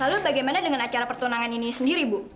lalu bagaimana dengan acara pertunangan ini sendiri bu